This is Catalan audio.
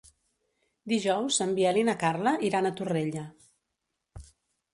Dijous en Biel i na Carla iran a Torrella.